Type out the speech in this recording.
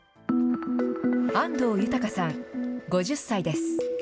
安藤豊さん５０歳です。